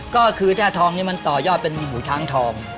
ก็คือถ้าทองนี้มันต่อยอดเป็นหมูช้างทอง